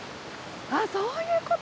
あっそういうこと？